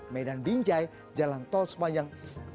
medan binjai jalan tol sepanjang